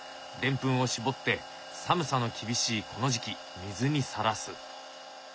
デンプンを絞って寒さの厳しいこの時期水にさらす。